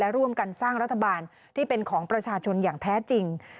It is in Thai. ร่วมกันสร้างรัฐบาลที่เป็นของประชาชนอย่างแท้จริง